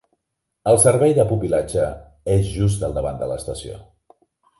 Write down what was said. El servei de pupil·latge és just al davant de l'estació.